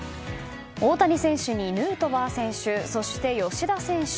大谷選手に、ヌートバー選手そして吉田選手。